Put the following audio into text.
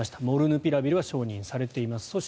モルヌピラビルは承認されています。